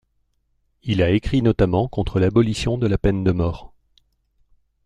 Il a écrit notamment contre l'abolition de la peine de mort.